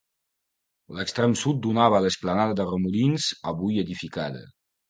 L'extrem sud donava a l'esplanada de Remolins, avui edificada.